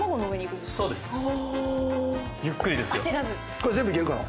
これ全部いけるかな？